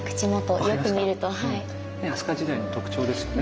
飛鳥時代の特徴ですよね。